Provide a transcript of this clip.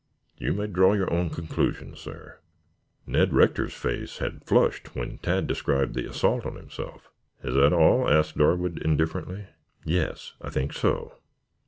You may draw your own conclusions, sir." Ned Rector's face had flushed when Tad described the assault on himself. "Is that all?" asked Darwood indifferently. "Yes; I think so."